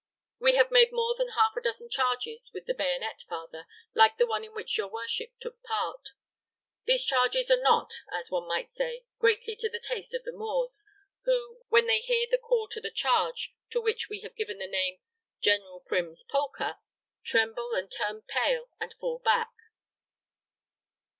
"We have made more than half a dozen charges with the bayonet, father, like the one in which your worship took part. These charges are not, as one might say, greatly to the taste of the Moors, who, when they hear the call to the charge, to which we have given the name of General Prim's Polka, tremble and turn pale and fall back.